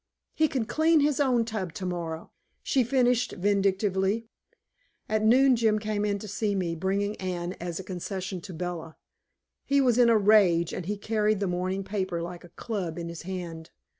He can clean his own tub tomorrow," she finished vindictively. At noon Jim came in to see me, bringing Anne as a concession to Bella. He was in a rage, and he carried the morning paper like a club in his hand.